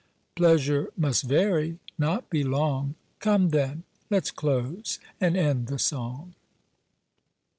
Pleasure must vary, not be long! Come then, let's close, and end the song!